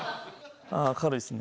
ああ軽いっすね。